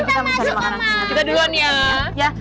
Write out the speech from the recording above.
kita duluan ya